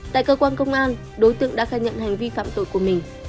tại cơ quan công an đối tượng đã khai nhận hành vi phạm tội của mình